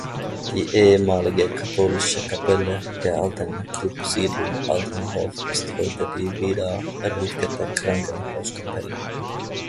Die ehemalige katholische Kapelle der alten Krupp-Siedlung Altenhof ist heute die wieder errichtete Krankenhauskapelle.